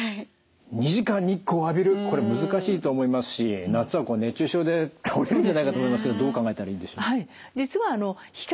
２時間日光を浴びるこれ難しいと思いますし夏は熱中症で倒れるんじゃないかと思いますけどどう考えたらいいんでしょう。